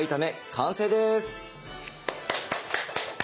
完成です。